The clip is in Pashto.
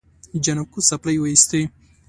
جانکو څپلۍ وېستې.